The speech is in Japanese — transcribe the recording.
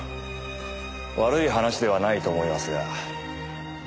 悪い話ではないと思いますが。